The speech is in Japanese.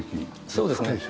そうですね。